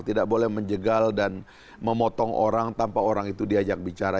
tidak boleh menjegal dan memotong orang tanpa orang itu diajak bicara